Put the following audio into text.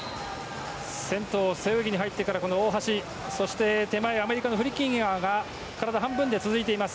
先頭、背泳ぎに入ってから大橋そして、手前はアメリカのフリッキンガーが体半分で続いています。